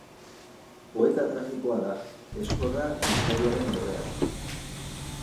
Poeta tragikoa da, ezkorra gizadiaren aurrean.